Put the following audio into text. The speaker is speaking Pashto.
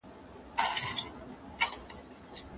که ته په املا کي د جملو قواعدو ته پام وکړې.